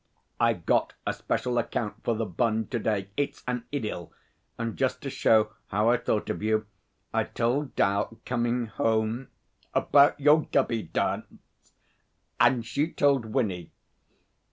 I've got a special account for The Bun to day it's an idyll and just to show how I thought of you, I told 'Dal, coming home, about your Gubby Dance, and she told Winnie.